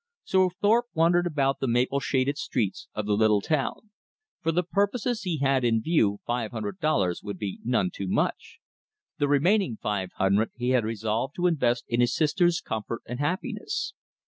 So Thorpe wandered about the maple shaded streets of the little town. For the purposes he had in view five hundred dollars would be none too much. The remaining five hundred he had resolved to invest in his sister's comfort and happiness.